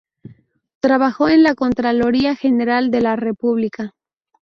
Trabajó en la Contraloría General de la República.